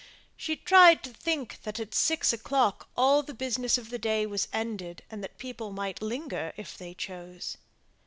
She tried to think that at six o'clock all the business of the day was ended, and that people might linger if they chose.